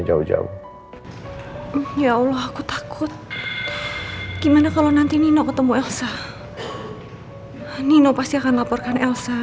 jauh jauh ya allah aku takut gimana kalau nanti nino ketemu elsa nino pasti akan laporkan elsa